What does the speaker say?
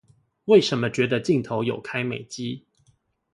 為什麼覺得鏡頭有開美肌